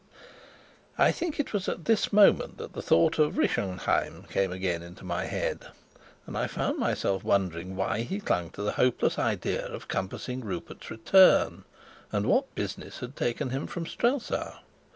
I think it was at this moment that the thought of Rischenheim came again into my head, and I found myself wondering why he clung to the hopeless idea of compassing Rupert's return and what business had taken him from Strelsau.